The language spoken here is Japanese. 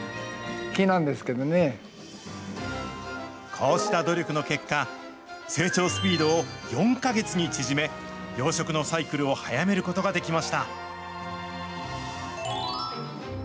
こうした努力の結果、成長スピードを４か月に縮め、養殖のサイクルを早めることができました。